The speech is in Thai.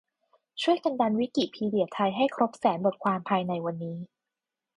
ช่วยกันดันวิกิพีเดียไทยให้ครบแสนบทความภายในวันนี้